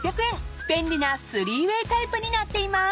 ［便利な３ウェイタイプになっています］